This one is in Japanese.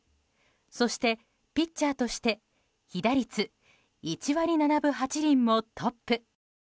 そして、ピッチャーとして被打率１割７分８厘もトップ。